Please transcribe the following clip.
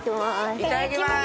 いただきます。